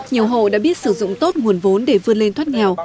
nhiều hộ đã biết sử dụng tốt nguồn vốn để vươn lên thoát nghèo